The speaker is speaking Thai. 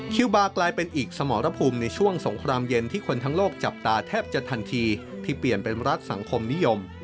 คิวบาร์กลายเป็นอีกสมรภูมิในช่วงสงครามเย็นที่คนทั้งโลกจับตาแทบจะทันทีที่เปลี่ยนเป็นรัฐสังคมนิยม